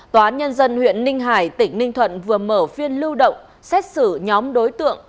tòa án nhân dân huyện ninh hải tỉnh ninh thuận vừa mở phiên lưu động xét xử nhóm đối tượng